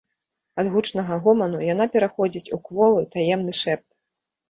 Ад гучнага гоману яна пераходзіць у кволы таемны шэпт.